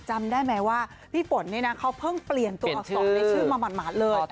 จำได้ไหมว่าพี่ปนไปเพิ่งเปลี่ยนตัวของในชื่อมาหมาล